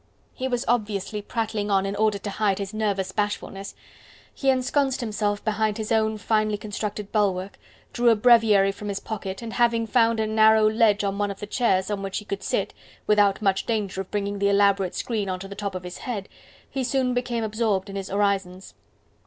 He was obviously prattling on in order to hide his nervous bashfulness. He ensconced himself behind his own finely constructed bulwark, drew a breviary from his pocket and having found a narrow ledge on one of the chairs, on which he could sit, without much danger of bringing the elaborate screen onto the top of his head, he soon became absorbed in his orisons.